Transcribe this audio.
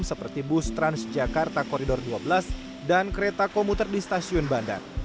seperti bus transjakarta koridor dua belas dan kereta komuter di stasiun bandar